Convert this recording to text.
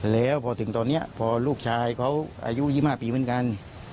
แล้วพอถึงตอนนี้พอลูกชายเขาอายุ๒๕ปีเหมือนกัน